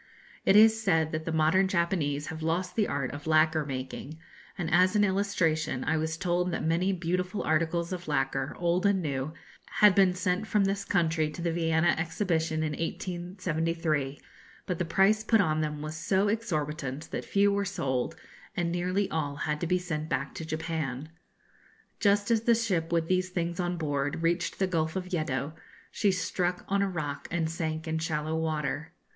It is said that the modern Japanese have lost the art of lacquer making; and as an illustration I was told that many beautiful articles of lacquer, old and new, had been sent from this country to the Vienna Exhibition in 1873, but the price put on them was so exorbitant that few were sold, and nearly all had to be sent back to Japan. Just as the ship with these things on board reached the Gulf of Yeddo, she struck on a rock and sank in shallow water.